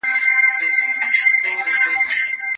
په کورنۍ کي بې عدالتي نه کېږي.